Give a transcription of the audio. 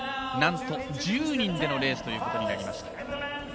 何と１０人でのレースということになりました。